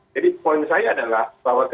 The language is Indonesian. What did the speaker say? jadi poin saya adalah